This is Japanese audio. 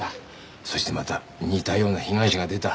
そしてまた似たような被害者が出た。